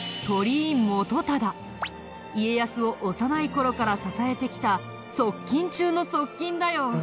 家康を幼い頃から支えてきた側近中の側近だよ。